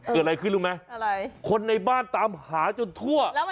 เกิดอะไรขึ้นรู้ไหมอะไรคนในบ้านตามหาจนทั่ว